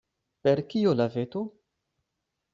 Per kio la veto?